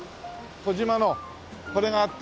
コジマのこれがあって。